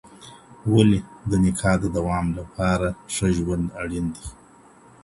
ولي د نکاح د دوام لپاره ښه ژوند اړين دی؟